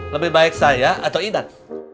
lebih baik saya atau inan